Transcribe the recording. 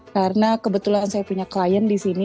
karena kebetulan saya punya klien disini